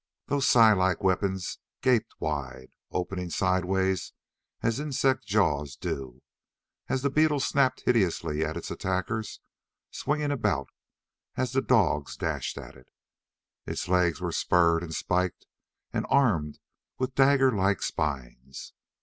Those scythelike weapons gaped wide opening sidewise as insects' jaws do as the beetle snapped hideously at its attackers, swinging about as the dogs dashed at it. Its legs were spurred and spiked and armed with dagger like spines.